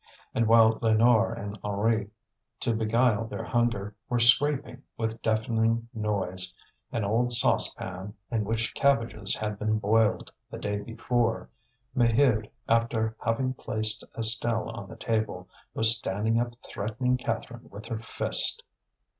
And while Lénore and Henri, to beguile their hunger, were scraping, with deafening noise, an old saucepan in which cabbages had been boiled the day before, Maheude, after having placed Estelle on the table, was standing up threatening Catherine with her fist.